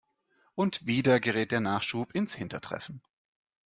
Und wieder gerät der Nachschub ins Hintertreffen.